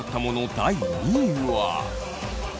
第２位は。